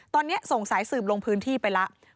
ตอนนี้ส่งสายสืบลงพื้นที่ไปแล้ว